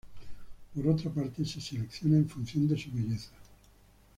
Por otra parte, se selecciona en función de su belleza.